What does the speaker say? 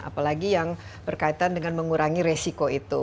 apalagi yang berkaitan dengan mengurangi resiko itu